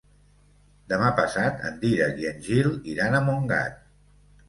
Demà passat en Dídac i en Gil iran a Montgat.